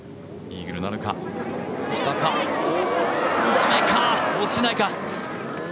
駄目か落ちないか。